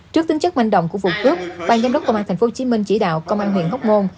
trước tính chất manh động của vụ cướp ban giám đốc công an tp hcm chỉ đạo công an huyện hóc môn